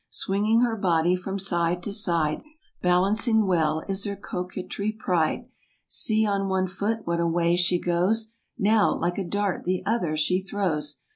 Swinging her body from side to side, Balancing well, is her coquetry pride. See on one foot what a way she goes, Now, like a dart the other she throws.